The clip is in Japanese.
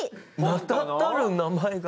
名だたる名前が。